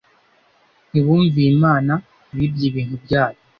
ntibumviye Imana Bibye ibintu byayo